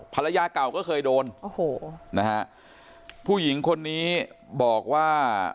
ภรรยาเก่าก็เคยโดนผู้หญิงคนนี้บอกว่า